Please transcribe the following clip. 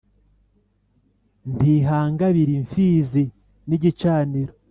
ntihangabira imfizi n’igicaniro.